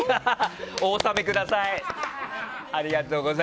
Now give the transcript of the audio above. お納めください。